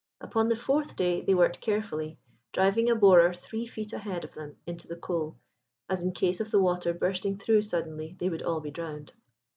Upon the fourth day they worked carefully, driving a borer three feet ahead of them into the coal, as in case of the water bursting through suddenly they would all be drowned.